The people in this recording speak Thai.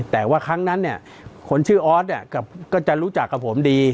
แต่ว่าครั้งนั้นเนี่ยคนชื่อออสเนี่ยก็จะรู้จักกับผมดี